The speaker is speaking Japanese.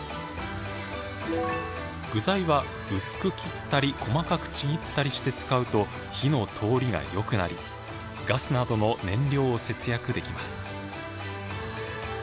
具材は薄く切ったり細かくちぎったりして使うと火の通りがよくなりガスなどの燃料を節約できます。